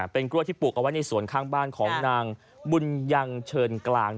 เป็นกล้วยที่ปลูกเอาไว้ในสวนข้างบ้านของนางบุญยังเชิญกลาง